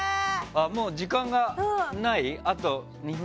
もう時間がない。